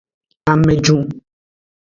Amejru.